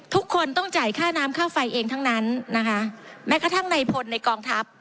ทุกคนต้องจ่ายค่าน้ำค่าไฟเองทั้งนั้นนะคะแม้กระทั่งในพลในกองทัพ